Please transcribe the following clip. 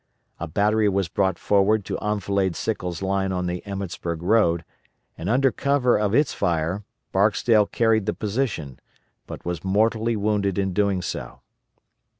A battery was brought forward to enfilade Sickles' line on the Emmetsburg road, and under cover of its fire Barksdale carried the position, but was mortally wounded in doing so.